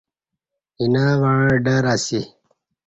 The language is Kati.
اینہ وعں ڈر اسی